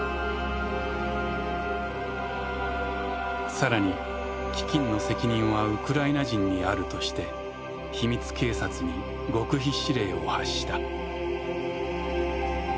更に飢きんの責任はウクライナ人にあるとして秘密警察に極秘指令を発した。